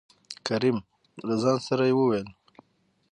کريم : له ځان سره يې ووېل: